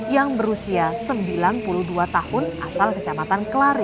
yang berusia sembilan puluh dua tahun asal kecamatan kelari